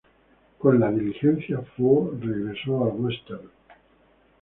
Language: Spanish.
Con "La diligencia", Ford regresó al "western".